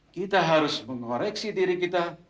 kita harus mengoreksi diri kita